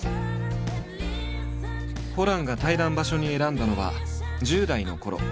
ホランが対談場所に選んだのは１０代のころ